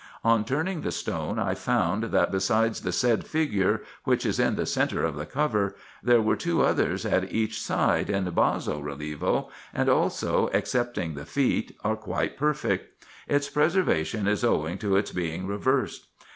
On turning the stone, I found that, besides the said figure, which is in the centre of the cover, there are two others at each side in basso relievo, and, also, excepting the feet, are quite perfect: its preservation is owing to its being reversed.